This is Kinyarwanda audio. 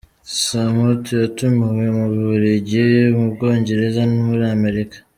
Samputu yatumiwe mu Bubiligi, mu Bwongereza no muri america